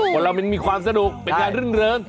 คนเรามันมีความสนุกเป็นงานรื่นเริง